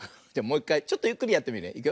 じゃもういっかいちょっとゆっくりやってみるね。